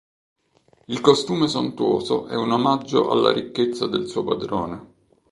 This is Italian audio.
Il costume sontuoso è un omaggio alla ricchezza del suo padrone.